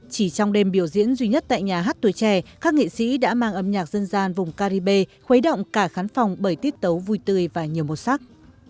chỉ trong đêm biểu diễn duy nhất tại nhà hát tuổi trẻ các nghệ sĩ đã mang âm nhạc dân gian vùng caribe khuấy động cả khán phòng bởi tiết tấu vui tươi và nhiều màu sắc